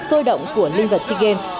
xôi động của linh vật sea games